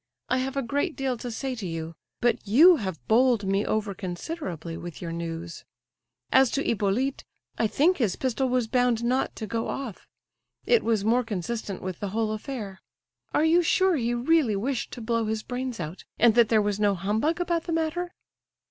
I have a great deal to say to you. But you have bowled me over considerably with your news. As to Hippolyte, I think his pistol was bound not to go off; it was more consistent with the whole affair. Are you sure he really wished to blow his brains out, and that there was no humbug about the matter?"